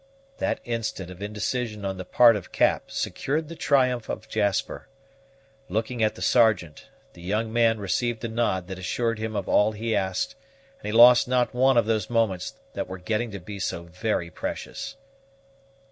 That instant of indecision on the part of Cap secured the triumph of Jasper. Looking at the Sergeant, the young man received a nod that assured him of all he asked, and he lost not one of those moments that were getting to be so very precious.